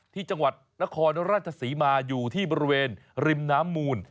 ที่จังหวัดนครราชศรีมาอยู่ที่บริเวณริมน้ำมูล